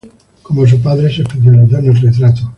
Como su padre, se especializó en el retrato.